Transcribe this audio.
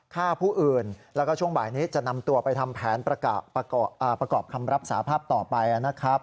ฆ่าผู้อื่นแล้วก็ช่วงบ่ายนี้จะนำตัวไปทำแผนประกอบคำรับสาภาพต่อไปนะครับ